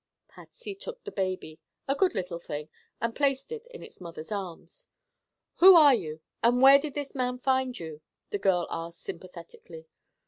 Patsy took the baby, a good little thing, and placed it in its mother's arms. "Who are you, and where did this man find you?" the girl asked sympathetically.